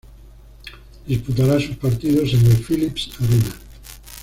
Disputará sus partidos en el Philips Arena.